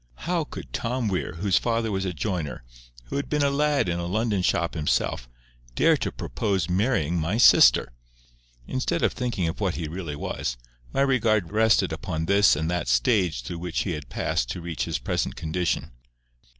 How could Tom Weir, whose father was a joiner, who had been a lad in a London shop himself, dare to propose marrying my sister? Instead of thinking of what he really was, my regard rested upon this and that stage through which he had passed to reach his present condition.